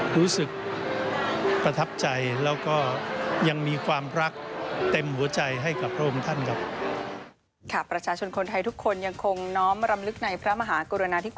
รู้สึกประทับใจแล้วก็ยังมีความรักเต็มหัวใจให้กับพระองค์ท่านครับ